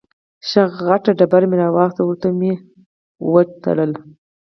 ښه غټه تیږه مې را واخسته او ورته مې یې وډباړه.